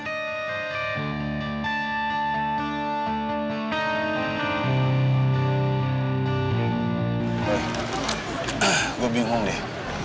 hei gue bingung deh